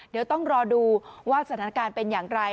เดี๋ยวต้องรอดูว่าสถานการณ์เป็นอย่างไร